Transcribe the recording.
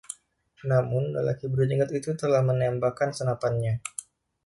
Namun, lelaki berjenggot itu telah menembakkan senapannya.